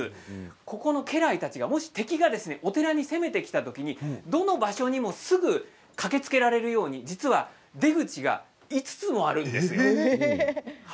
ここの家来たちが、もし敵がお寺に攻めてきた時にどの場所にもすぐ駆けつけられるように実は出口が５つもあるんです。